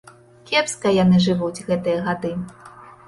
Кепска яны жывуць гэтыя гады.